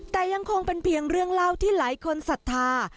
แต่ยังคงเป็นเพียงเรื่องเล่าที่หลายคนศรัทธา